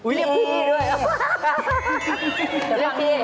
อยากที่ด้วย